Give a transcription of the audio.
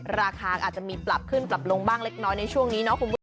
ราคาก็อาจจะมีปรับขึ้นปรับลงบ้างเล็กน้อยในช่วงนี้เนาะคุณผู้ชม